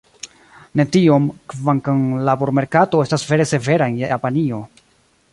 Ne tiom, kvankam la labormerkato estas vere severa en Japanio.